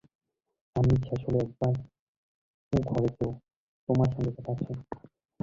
আহ্নিক শেষ হলে একবার ও ঘরে যেয়ো– তোমার সঙ্গে কথা আছে।